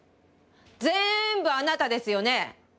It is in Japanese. ぜんぶあなたですよね